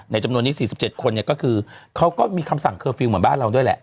จำนวนนี้๔๗คนเนี่ยก็คือเขาก็มีคำสั่งเคอร์ฟิลลเหมือนบ้านเราด้วยแหละ